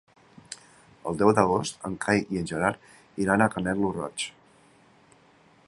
El deu d'agost en Cai i en Gerard iran a Canet lo Roig.